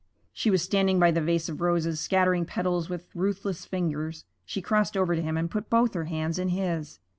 She was standing by the vase of roses, scattering petals with ruthless fingers. She crossed over to him and put both her hands in his.